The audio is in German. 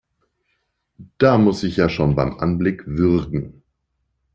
Da muss ich ja schon beim Anblick würgen!